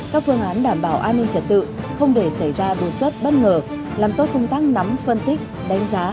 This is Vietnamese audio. các phương án đảm bảo an ninh trật tự không để xảy ra đột xuất bất ngờ làm tốt công tác nắm phân tích đánh giá